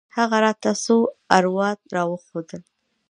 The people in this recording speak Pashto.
هغه راته څو اوراد راوښوول.